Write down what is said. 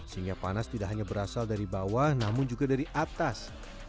sehingga panas tidak hanya berasal dari bawah namun juga dari atas